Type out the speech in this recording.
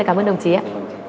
vâng ạ xin cảm ơn đồng chí ạ